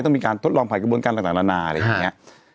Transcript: ต้องมีการทดลองผ่านกระบวนการต่างนานาอะไรอย่างนี้